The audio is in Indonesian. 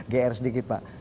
gr sedikit pak